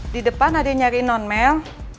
di depan ada yang nyari non mail